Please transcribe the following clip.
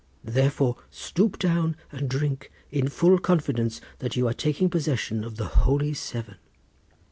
Therefore stoop down and drink, in full confidence that you are taking possession of the Holy Severn."